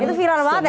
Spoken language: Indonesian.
itu viral banget ya